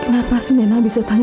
kenapa si nenek bisa tanya